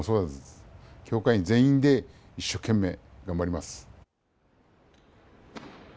協会員全員で一所懸命、頑張ります。